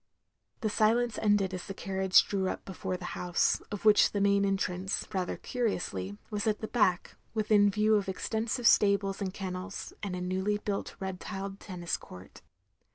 The silence ended as the carriage drew up before the house; of which the main entrance, rather curiously, was at the back, within view of extensive stables and kennels, and a newly built red tiled tennis court.